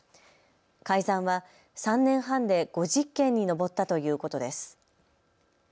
改ざんは３年半で５０件に上ったということです。